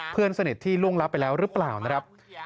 เพื่อนสนิทที่ล่วงรับไปแล้วหรือเปล่านะครับ